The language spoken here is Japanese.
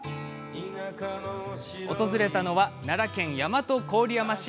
訪れたのは、奈良県大和郡山市。